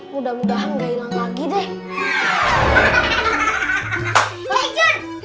mudah mudahan gak hilang lagi deh